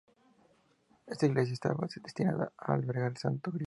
Esta iglesia estaba destinada a albergar al "Santo Grial".